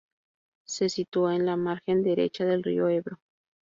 Se sitúa en la margen derecha del río Ebro.